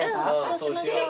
そうしましょう。